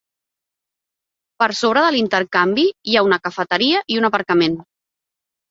Per sobre de l'intercanvi, hi ha una cafeteria i un aparcament.